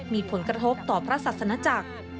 มีผลกระทบต่อพระศาสนจักร